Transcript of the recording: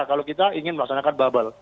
kalau kita ingin melaksanakan bubble